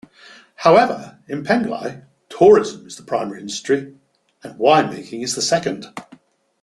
However, in Penglai, tourism is the primary industry, and wine-making is second.